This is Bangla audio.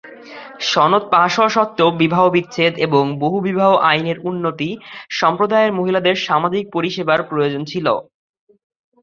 সনদ পাস হওয়া সত্ত্বেও, বিবাহবিচ্ছেদ এবং বহুবিবাহ আইনের উন্নতি, সম্প্রদায়ের মহিলাদের সামাজিক পরিষেবার প্রয়োজন ছিল।